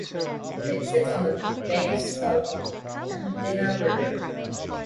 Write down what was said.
It sits on the banks of the Pembina River.